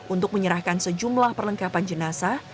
untuk menyerahkan sejumlah perlengkapan jenazah